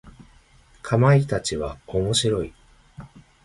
かまいたちは面白い。